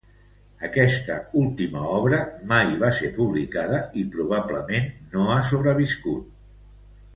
Aquesta última obra mai va ser publicada, i probablement no ha sobreviscut.